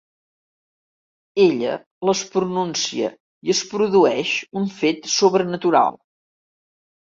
Ella les pronuncia i es produeix un fet sobrenatural.